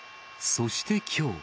そしてきょう。